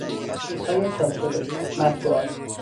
چیزهای چاپ شده، مطبوعات